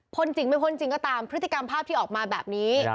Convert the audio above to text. จริงไม่พ้นจริงก็ตามพฤติกรรมภาพที่ออกมาแบบนี้